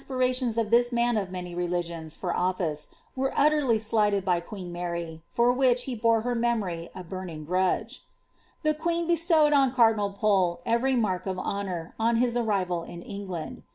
But the ardent aspiia tions of this man of many religions for office, were utterly slighted by queen Mary, for which he boie her memory a burning grudge. The queen bestowed on cardinal Pole every mark of honour, on hit arrival in England.